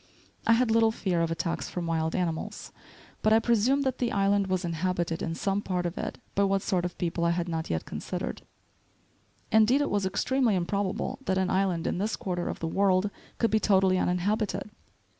I had little fear of attacks from wild animals, but I presumed that the island was inhabited in some part of it, by what sort of people I had not yet considered. Indeed, it was extremely improbable that an island in this quarter of the world could be totally uninhabited.